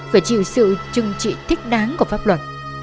phải chịu sự trừng trị thích đáng của pháp luật